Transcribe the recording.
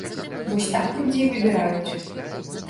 Вось так людзі і выбіраюць!